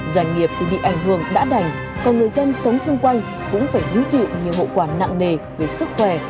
doanh nghiệp thì bị ảnh hưởng đã đành còn người dân sống xung quanh cũng phải hứng chịu nhiều hậu quả nặng nề về sức khỏe